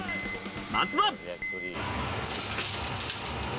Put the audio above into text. まずは。